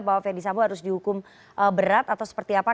bahwa fendi sambo harus dihukum berat atau seperti apa